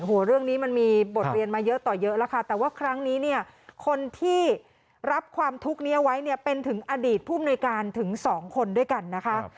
โอ้โหเรื่องนี้มันมีบทเรียนมาเยอะต่อเยอะแล้วค่ะแต่ว่าครั้งนี้เนี่ยคนที่รับความทุกข์นี้เอาไว้เนี่ยเป็นถึงอดีตผู้มนุยการถึงสองคนด้วยกันนะคะ